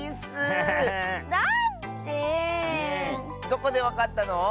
どこでわかったの？